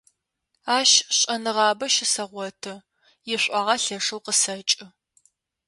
Ащ шӀэныгъабэ щысэгъоты, ишӀуагъэ лъэшэу къысэкӀы.